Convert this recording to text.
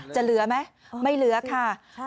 จะเหลือไหมไม่เหลือค่ะ